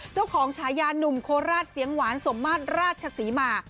เจ้าของชายาหนุ่มโคราชเสียงหวานสมมาศราชศรีมา